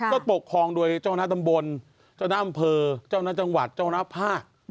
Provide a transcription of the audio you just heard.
ก็ปกครองโดยเจ้าหน้าตำบลเจ้าหน้าอำเภอเจ้าหน้าที่จังหวัดเจ้าหน้าภาค